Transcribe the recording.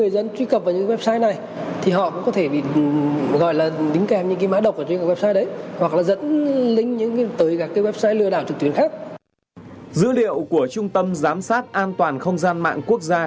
dữ liệu của trung tâm giám sát an toàn không gian mạng quốc gia